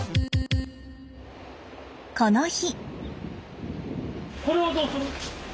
この日。